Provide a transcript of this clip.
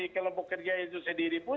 kelompok kerja itu sendiri pun